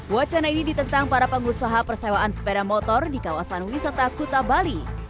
wacana ini ditentang para pengusaha persewaan sepeda motor di kawasan wisata kuta bali